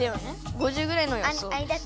５０ぐらいの予想です。